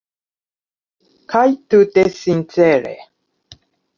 Kaj tute sincere.